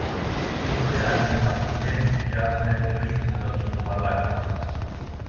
ούτε αλειμματοκέρι πια δε βρίσκουνταν στο παλάτι.